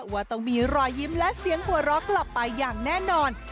ว่าต้องมีรอยยิ้มและเสียงหัวเราะกลับไปอย่างแน่นอน